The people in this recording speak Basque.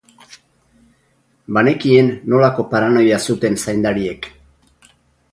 Banekien nolako paranoia zuten zaindariek.